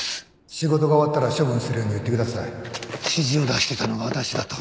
「仕事が終わったら処分するように言ってください」指示を出していたのが私だと。